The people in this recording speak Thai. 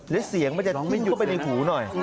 แล้วเสียงมันจะไม่ยุบไปในหูหน่อย